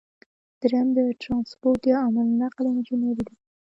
دریم د ټرانسپورټ یا حمل او نقل انجنیری ده.